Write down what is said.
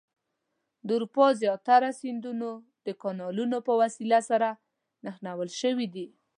د اروپا زیاتره سیندونه د کانالونو په وسیله سره نښلول شوي دي.